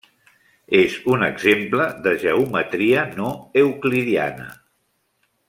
És un exemple de geometria no euclidiana.